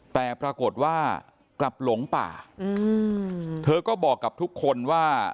แต่ปรากฏว่ากลับหลงป่าอืมเธอก็บอกกับทุกคนว่า